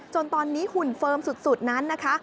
จนตอนนี้หุ่นเฟิร์มสุดนั้นนะคะ